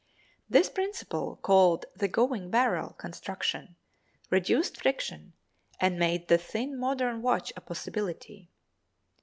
This principle, called the "going barrel" construction, reduced friction, and made the thin modern watch a possibility.